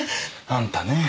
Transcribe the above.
あんたねぇ。